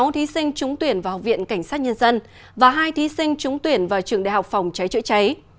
sáu thí sinh trúng tuyển vào học viện cảnh sát nhân dân và hai thí sinh trúng tuyển vào trường đại học phòng cháy chữa cháy